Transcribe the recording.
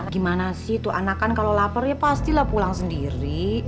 gimana sih tuh anak kan kalau laparnya pastilah pulang sendiri